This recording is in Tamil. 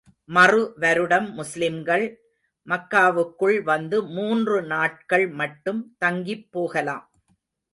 மறு வருடம் முஸ்லிம்கள், மக்காவுக்குள் வந்து மூன்று நாட்கள் மட்டும் தங்கிப் போகலாம்.